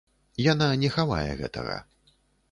Яна не хавае гэтага.